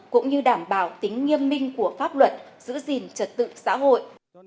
cũng như đảm bảo tính nghiêm minh của pháp luật giữ gìn trật tự xã hội